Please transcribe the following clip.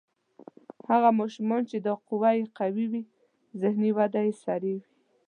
هغه ماشومان چې دا قوه یې قوي وي ذهني وده یې سریع وي.